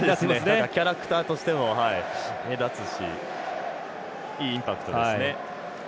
キャラクターとしても目立つしいいインパクトですね。